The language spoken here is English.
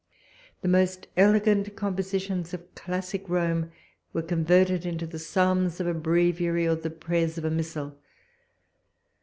The most elegant compositions of classic Rome were converted into the psalms of a breviary, or the prayers of a missal.